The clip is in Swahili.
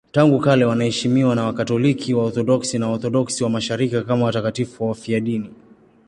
Tangu kale wanaheshimiwa na Wakatoliki, Waorthodoksi na Waorthodoksi wa Mashariki kama watakatifu wafiadini.